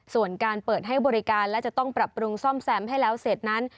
ส่วนการเปิดให้บริการและจะต้องปรับปรุงซ่อมแซมให้แล้วเสร็จนั้น